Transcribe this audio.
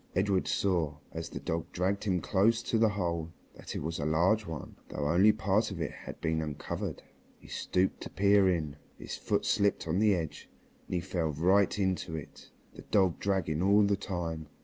Edred saw, as the dog dragged him close to the hole, that it was a large one, though only part of it had been uncovered. He stooped to peer in, his foot slipped on the edge, and he fell right into it, the dog dragging all the time.